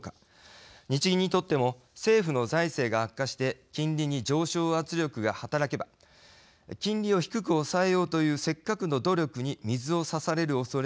日銀にとっても政府の財政が悪化して金利に上昇圧力が働けば金利を低く抑えようというせっかくの努力に水を差されるおそれがあります。